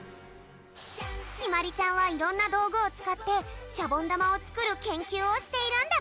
ひまりちゃんはいろんなどうぐをつかってシャボンだまをつくるけんきゅうをしているんだぴょん。